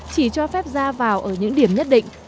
chỉ cho phép ra vào ở những điểm nhất định